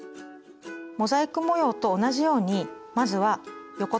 モザイク模様と同じようにまずは横と縦に十字に糸を刺します。